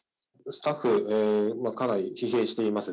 スタッフはかなり疲弊しています。